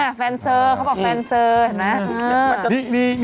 อั๊ะแฟนเสิร์นเขาบอกแฟนเสิร์นเห็นไหม